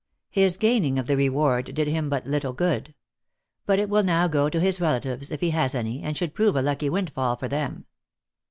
His gaining of the reward did him but little good. But it will now go to his relatives, if he has any, and should prove a lucky windfall for them."